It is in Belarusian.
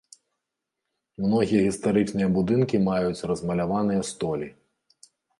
Многія гістарычныя будынкі маюць размаляваныя столі.